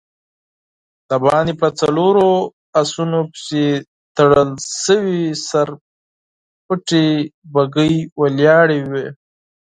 د باندی په څلورو آسونو پسې تړل شوې سر پټې بګۍ ولاړه وه.